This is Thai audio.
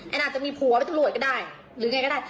อาจจะมีผัวเป็นตำรวจก็ได้หรือไงก็ได้